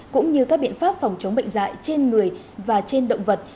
cũng như các biện pháp phòng chống bệnh dạy trên người và trên động vật